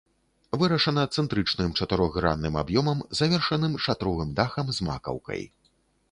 Вырашана цэнтрычным чатырохгранным аб'ёмам, завершаным шатровым дахам з макаўкай.